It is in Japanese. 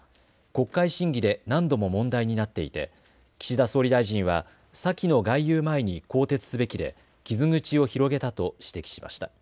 国会審議で何度も問題になっていて岸田総理大臣は先の外遊前に更迭すべきで傷口を広げたと指摘しました。